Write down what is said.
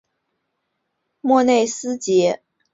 莫内斯捷旁圣保罗人口变化图示